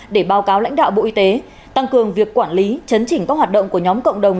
để báo cáo lãnh đạo bộ y tế tăng cường việc quản lý chấn chỉnh các hoạt động của nhóm cộng đồng